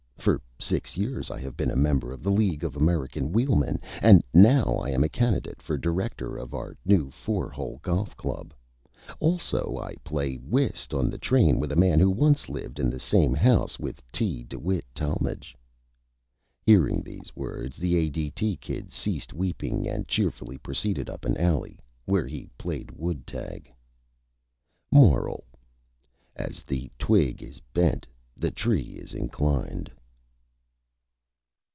For Six Years I have been a Member of the League of American Wheelmen and now I am a Candidate for Director of our new four hole Golf Club. Also I play Whist on the Train with a Man who once lived in the same House with T. DeWitt Talmage." Hearing these words the A.D.T. Kid ceased weeping and cheerfully proceeded up an Alley, where he played "Wood Tag." MORAL: _As the Twig is Bent the Tree is Inclined.